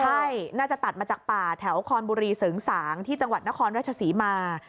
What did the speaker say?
ใช่น่าจะตัดมาจากป่าแถวคอนบุรีเสริงสางที่จังหวัดนครราชศรีมา